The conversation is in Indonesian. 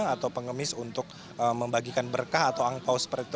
atau pengemis untuk membagikan berkah atau angpao seperti itu